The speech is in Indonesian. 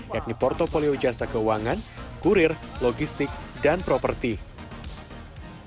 yakni portfolio jasa keuangan kurir logistik dan properti